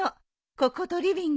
こことリビング